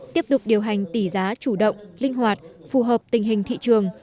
tiếp tục điều hành tỷ giá chủ động linh hoạt phù hợp tình hình thị trường